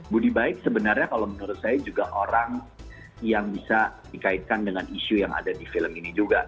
budi baik sebenarnya kalau menurut saya juga orang yang bisa dikaitkan dengan isu yang ada di film ini juga